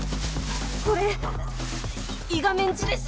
これイガメンチです。